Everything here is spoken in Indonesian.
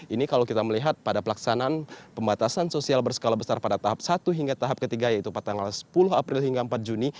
ini kalau kita melihat pada pelaksanaan pembatasan sosial berskala besar pada tahap satu hingga tahap ketiga yaitu pada tanggal sepuluh april hingga empat juni